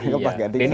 ya dua kantornya kita